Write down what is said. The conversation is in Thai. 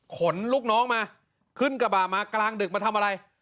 ลูกน้องมาขึ้นกระบะมากลางดึกมาทำอะไร